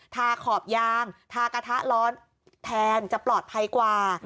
ขอบยางทากระทะร้อนแทนจะปลอดภัยกว่า